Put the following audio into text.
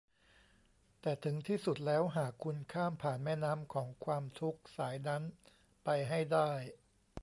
แต่ถึงที่สุดแล้วหากคุณข้ามผ่านแม่น้ำของความทุกข์สายนั้นไปให้ได้